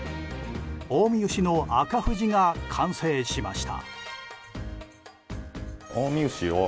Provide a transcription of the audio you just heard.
近江牛の赤富士が完成しました。